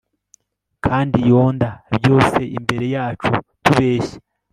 Kandi yonder byose imbere yacu tubeshya